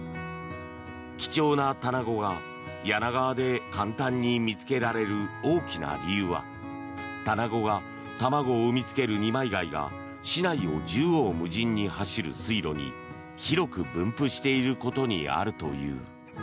貴重なタナゴが柳川で簡単に見つけられる大きな理由はタナゴが卵を産みつける二枚貝が市内を縦横無尽に走る水路に広く分布していることにあるという。